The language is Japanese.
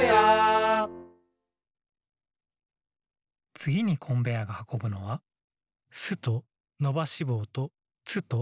つぎにコンベアーがはこぶのは「ス」とのばしぼうと「ツ」と「ケ」。